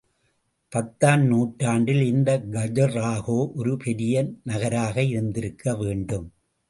பத்தாம் நூற்றாண்டில் இந்த கஜுராஹோ ஒரு பெரிய நகராக இருந்திருக்க வேண்டும்.